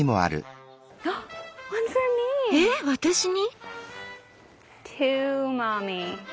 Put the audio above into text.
えっ私に？